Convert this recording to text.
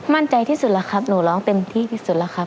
มั่นใจที่สุดแล้วครับหนูร้องเต็มที่ที่สุดแล้วครับ